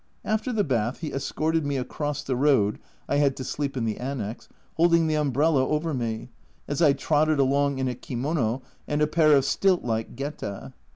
After the bath he escorted me across the road (I had to sleep in the annexe), holding 'the umbrella over me, as I trotted along in a kimono and a pair of stilt like gheta.